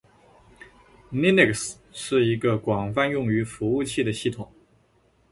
Linux 是一个广泛用于服务器的系统